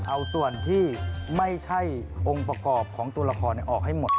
เอาส่วนที่ไม่ใช่องค์ประกอบของตัวละครออกให้หมด